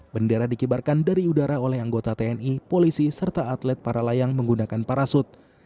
bendera dikibarkan dari udara oleh anggota tni polisi serta atlet para layang menggunakan parasut